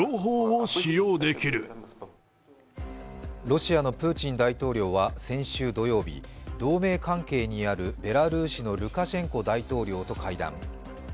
ロシアのプーチン大統領は先週土曜日、同盟関係にあるベラルーシのルカシェンコ大統領と会談。